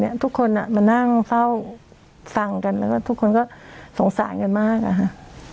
ทุกคนมานั่งเฝ้าฟังกันแล้วก็ทุกคนก็สงสารกันมากอะค่ะ